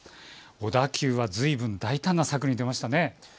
小田急はずいぶん大胆な策に出ましたね。